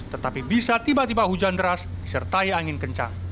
tetapi bisa tiba tiba hujan deras disertai angin kencang